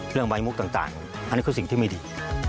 ใบมุกต่างอันนี้คือสิ่งที่ไม่ดี